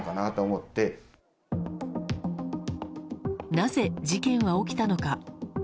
なぜ事件は起きたのか。